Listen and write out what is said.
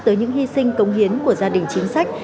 tới những hy sinh công hiến của gia đình chính sách